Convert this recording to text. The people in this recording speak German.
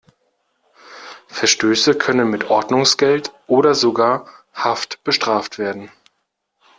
Verstöße können mit Ordnungsgeld oder sogar Haft bestraft werden.